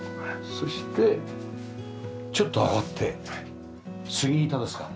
そしてちょっと上がって杉板ですか？